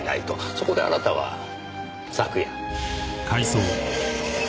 そこであなたは昨夜。